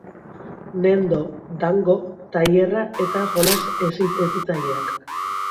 Nendo Dango tailerra eta jolas hezitzaileak.